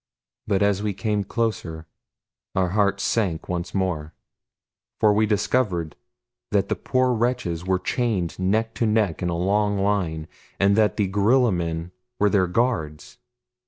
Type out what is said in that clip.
But as we came closer, our hearts sank once more, for we discovered that the poor wretches were chained neck to neck in a long line, and that the gorilla men were their guards.